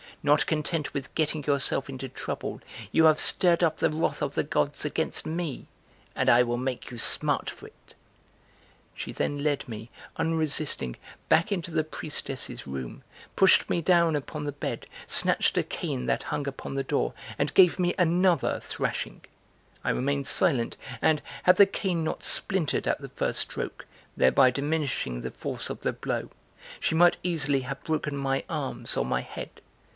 Not content with getting yourself into trouble, you have stirred up the wrath of the gods against me {and I will make you smart for it."} She then led me, unresisting, back into the priestess's room, pushed me down upon the bed, snatched a cane that hung upon the door, and gave me another thrashing: I remained silent and, had the cane not splintered at the first stroke, thereby diminishing the force of the blow, she might easily have broken my arms or my head.